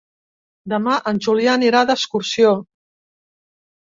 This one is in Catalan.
Demà en Julià anirà d'excursió.